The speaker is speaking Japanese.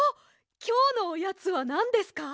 きょうのおやつはなんですか？